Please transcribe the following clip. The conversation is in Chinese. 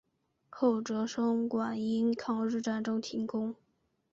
后哲生馆因抗日战争停工。